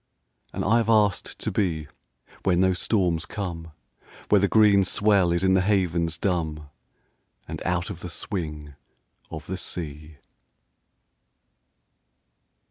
And I have asked to be Where no storms come, Where the green swell is in the havens dumb, And out of the swing of the sea.